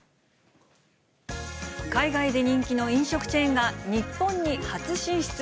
海外で人気の飲食チェーンが日本に初進出。